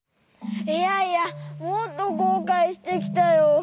いやいやもっとこうかいしてきたよ。